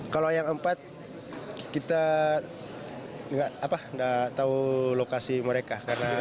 kalau yang empat kita tidak tahu lokasi mereka